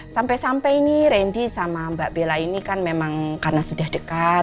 sampai sampai ini randy sama mbak bella ini kan memang karena sudah dekat